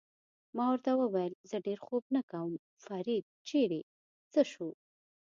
ما ورته وویل: زه ډېر خوب نه کوم، فرید چېرې څه شو؟